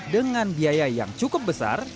dengan biaya yang cukup besar